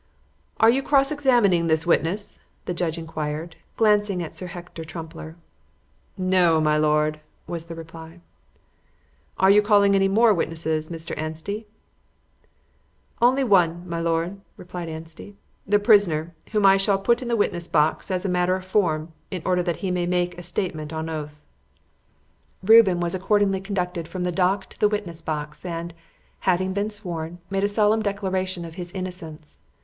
"Are you cross examining this witness?" the judge inquired, glancing at Sir Hector Trumpler. "No, my lord," was the reply. "Are you calling any more witnesses, Mr. Anstey?" "Only one, my lord," replied Anstey "the prisoner, whom I shall put in the witness box, as a matter of form, in order that he may make a statement on oath." Reuben was accordingly conducted from the dock to the witness box, and, having been sworn, made a solemn declaration of his innocence.